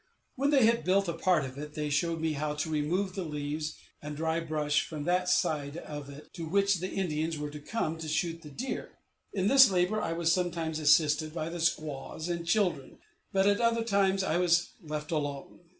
When they had built a part of it, they showed me how to remove the leaves and dry brush from that side of it to which the Indians were to come to shoot the deer. In this labor I was sometimes assisted by the squaws and children, but at other times I was left alone.